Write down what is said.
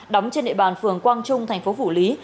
đóng trên địa bàn phường quang trung thành phố phủ lý